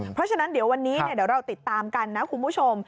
เพราะฉะนั้นเดี๋ยววันนี้เดี๋ยวเราติดตามกันนะคุณผู้ชม